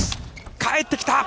返ってきた。